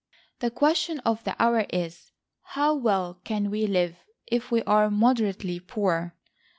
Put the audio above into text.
The question of the hour is "How well can we live, if we are moderately poor?"